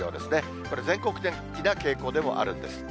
これ、全国的な傾向でもあるんです。